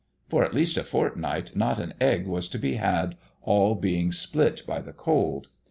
For at least a fortnight, not an egg was to be had, all being split by the cold.